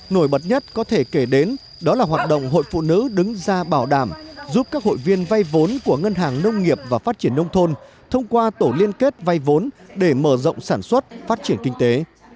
nổi bật nhất có thể kể đến đó là hoạt động hội phụ nữ đứng ra bảo đảm giúp các hội viên vay vốn của ngân hàng nông nghiệp và phát triển nông thôn thông qua tổ liên kết vay vốn để mở rộng sản xuất phát triển kinh tế